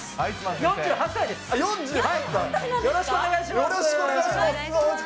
４８歳です。